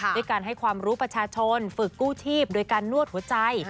ด้วยการให้ความรู้ประชาชนฝึกกู้ชีพโดยการนวดหัวใจ